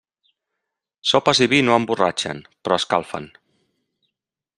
Sopes i vi no emborratxen, però escalfen.